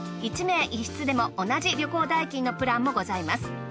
１名１室でも同じ旅行代金のプランもございます。